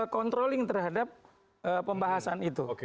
controlling terhadap pembahasan itu